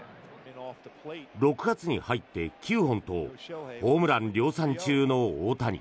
６月に入って９本とホームラン量産中の大谷。